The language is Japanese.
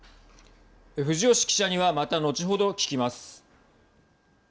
藤吉記者にはまた、後ほど聞きます。